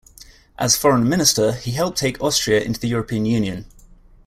As foreign minister, he helped take Austria into the European Union.